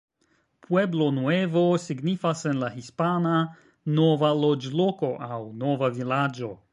Pueblo Nuevo signifas en la hispana "nova loĝloko" aŭ "nova vilaĝo".